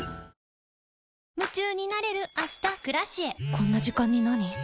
こんな時間になに？